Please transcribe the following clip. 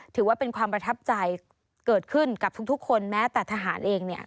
ถือว่าเป็นความประทับใจเกิดขึ้นกับทุกคนแม้แต่ทหารเองเนี่ย